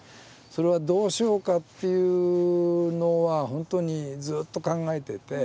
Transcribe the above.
それはどうしようかっていうのは本当にずっと考えてて。